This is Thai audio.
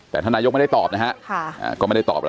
แต่ถ้านายกไม่ได้ตอบนะครับ